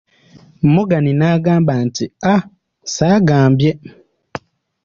Morgan n'agamba nti Ah, saagambye?